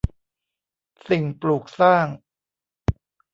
สิ่งปลูกสร้าง